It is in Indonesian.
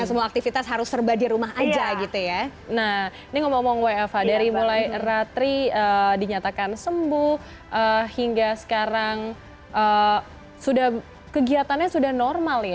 jadi semua aktivitas harus serba di rumah aja gitu ya nah di ngomong ngomong wfh dari mulai ratri dinyatakan sembuh hingga sekarang sudah kegiatannya sudah normal ya